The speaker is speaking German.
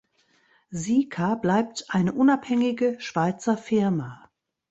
Sika bleibt eine unabhängige Schweizer Firma.